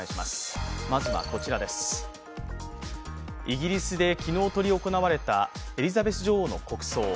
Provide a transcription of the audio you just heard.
イギリスで昨日執り行われたエリザベス女王の国葬。